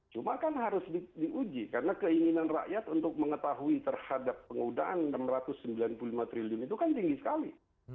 cuma kan harus diuji karena keinginan rakyat untuk mengetahui terhadap penggunaan rp enam ratus sembilan puluh lima triliun itu kan tinggi sekali